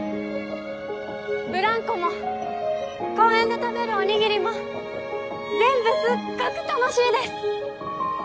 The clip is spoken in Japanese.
ブランコも公園で食べるおにぎりも全部すっごく楽しいです！